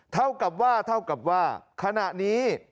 เท่ากับว่าเท่ากับว่าขณะนี้